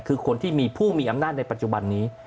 คือคนที่มีผู้มีอำนาจในปัจจุบันนี้